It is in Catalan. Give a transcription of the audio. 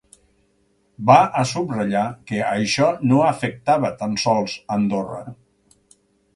Va ha subratllar que això no afectava tan sols Andorra.